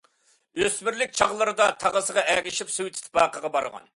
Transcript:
ئۆسمۈرلۈك چاغلىرىدا تاغىسىغا ئەگىشىپ سوۋېت ئىتتىپاقىغا بارغان.